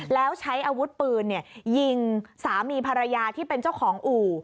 แล้วใช้อาวุธปืนยิงสามีภรรยาที่เป็นเจ้าของอู่